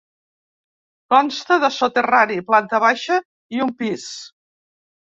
Consta de soterrani, planta baixa i un pis.